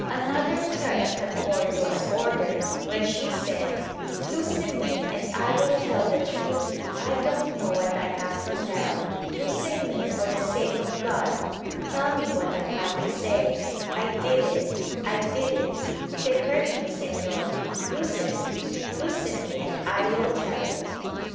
Another turn of the cord was ordered, when she said "Loosen me and I will tell the truth ; I don't know what I have to tell — loosen me for the sake of God — tell me what I have to say — I did it, I did it — they hurt me Senor — loosen me, loosen me and I will tell it."